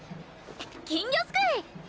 金魚すくい！